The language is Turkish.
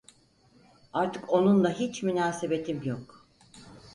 Artık onunla hiç münasebetim yok…